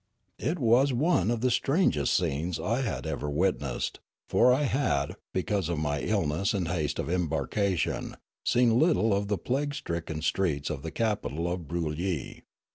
It was one of the strangest scenes I had ever wit nessed ; for I had, because of my illness and haste of embarkation, seen little of the plague stricken streets of the capital of Broolyi.